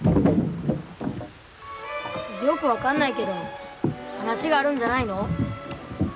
よく分かんないけど話があるんじゃないの？